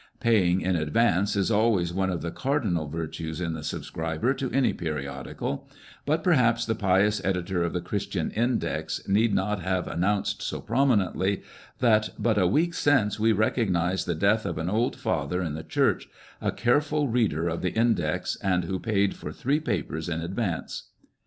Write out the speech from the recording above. Paying in ad vance is always one of the cardinal virtues in the subscriber to any periodical ; but perhaps the pious editor of the Christian Index need not have announced so prominently that " but a week since we recognised the death of an old father in the church, a careful reader of the Index and who paid for three papers in advance."